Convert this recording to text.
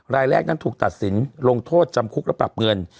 รายแรกนั้นถูกตัดสินลงโทษจำคุกและปรับเงิน